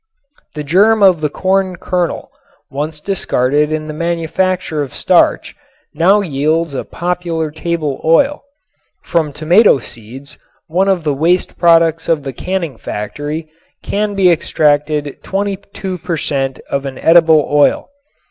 The germ of the corn kernel, once discarded in the manufacture of starch, now yields a popular table oil. From tomato seeds, one of the waste products of the canning factory, can be extracted 22 per cent. of an edible oil.